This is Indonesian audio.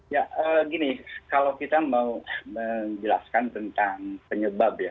ya gini kalau kita mau menjelaskan tentang penyebab ya